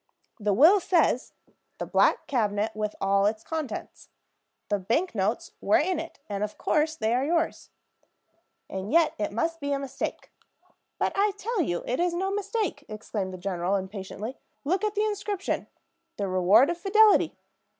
"The will says, 'The black cabinet, with all its contents.' The bank notes were in it, and of course they are yours." "And yet it must be a mistake." "But I tell you it is no mistake," exclaimed the general, impatiently. "Look at the inscription, 'The Reward of Fidelity!'